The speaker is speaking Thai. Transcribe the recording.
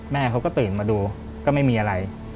แม่เขาก็ตื่นมาดูก็ไม่มีอะไร